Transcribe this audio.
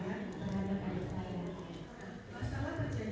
yang mengenalkan hal itu